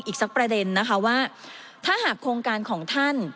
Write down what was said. อีกสักประเด็นนะคะว่าถ้าหากโครงการของท่าน